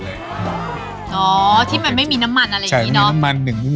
อ๋อที่นี่มันไม่มีน้ำมันอย่างนี้